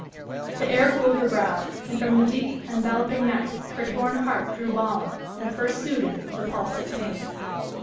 The air cooled her brow, and from the deep, enveloping night her torn heart drew balm, and a first soothing of the pulse of pain.